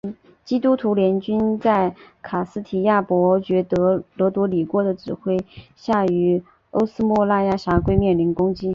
基督徒联军在卡斯提亚伯爵罗德里哥的指挥下于欧斯莫奎拉峡谷面临攻击。